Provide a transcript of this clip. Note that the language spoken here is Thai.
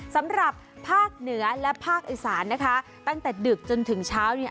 สำหรับภาคเหนือและภาคอีสานนะคะตั้งแต่ดึกจนถึงเช้าเนี่ย